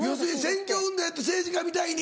選挙運動やった政治家みたいに。